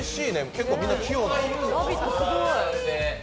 結構、みんな器用な。